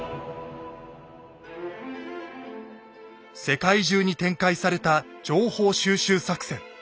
世界中に展開された情報収集作戦。